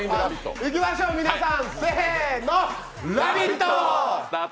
いきましょう、皆さん「ラヴィット！」！！